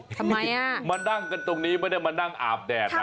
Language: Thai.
ทำไมมานั่งกันตรงนี้ไม่ได้มานั่งอาบแดดนะ